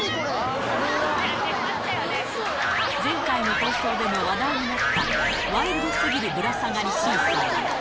前回の放送でも話題になった、ワイルドすぎるぶら下がりシーソー。